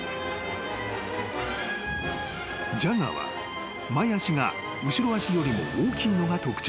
［ジャガーは前足が後ろ足よりも大きいのが特徴］